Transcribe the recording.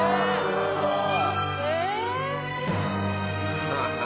すごい！